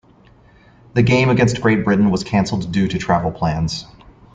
The game against Great Britain was cancelled due to travel plans.